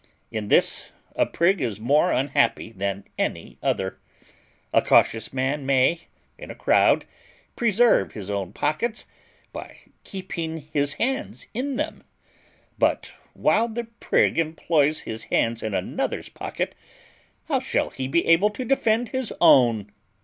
In this a prig is more unhappy than any other: a cautious man may, in a crowd, preserve his own pockets by keeping his hands in them; but while the prig employs his hands in another's pocket, how shall he be able to defend his own?